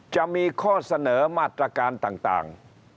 จะมีข้อเสนอมาตรการต่าง